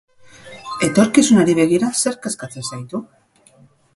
Etorkizunari begira, zerk kezkatzen zaitu?